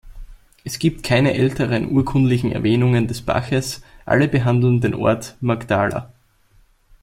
Es gibt keine älteren urkundlichen Erwähnungen des Baches, alle behandeln den Ort Magdala.